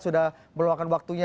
sudah meluangkan waktunya